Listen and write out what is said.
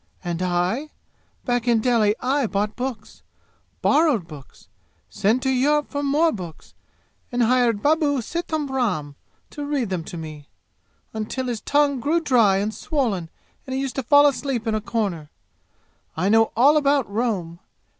And I back in Delhi I bought books borrowed books sent to Europe for more books and hired babu Sita Ram to read them to me, until his tongue grew dry and swollen and he used to fall asleep in a corner. I know all about Rome!